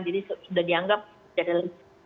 jadi sudah dianggap jadil